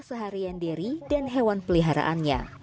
seharian diri dan hewan peliharaannya